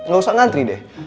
lo usah ngantri deh